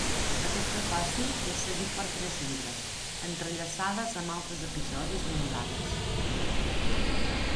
Aquest prefaci és seguit per tres llibres, entrellaçades amb altres episodis mundans.